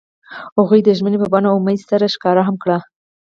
هغوی د ژمنې په بڼه امید سره ښکاره هم کړه.